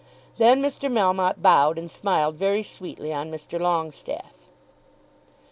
Then Mr. Melmotte bowed and smiled very sweetly on Mr. Longestaffe.